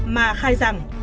mà khai rằng